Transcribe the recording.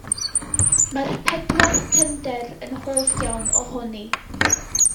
Mae'r pedwar cefnder yn hoff iawn ohoni.